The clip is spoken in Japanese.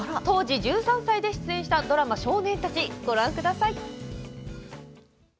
当時１３歳で出演したドラマ「少年たち」ご覧ください。